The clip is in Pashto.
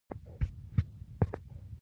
وسله بېغرضي نه پېژني